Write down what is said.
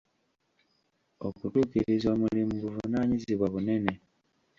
Okutuukiriza omulimu buvunaanyizibwa bunene.